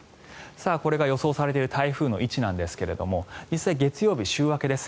これが予想されている台風の位置なんですが月曜日、週明けです。